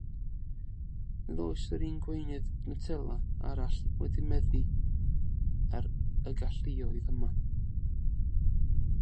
Nid oes yr un gweinydd gnutela arall wedi meddu ar y galluoedd yma.